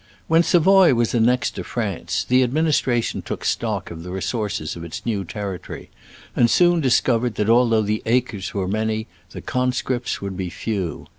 When Savoy was annexed to France the administration took stock of the re sources of its new territory, and soon discovered that although the acres were many the conscripts would be few.